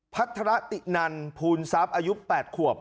พัฒระตินันภูลทรัพย์อายุ๘ขวบ